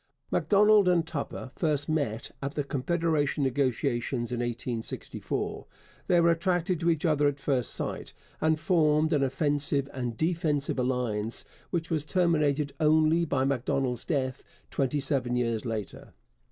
Macdonald and Tupper first met at the Confederation negotiations in 1864. They were attracted to each other at first sight, and formed an offensive and defensive alliance which was terminated only by Macdonald's death twenty seven years later.